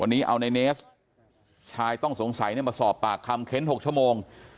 วันนี้เอานายเนสชายต้องสงสัยเนี่ยมาสอบปากคำเข็นหกชั่วโมง